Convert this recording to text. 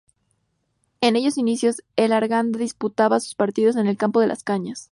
En aquellos inicios el Arganda disputaba sus partidos en el "Campo de las Cañas".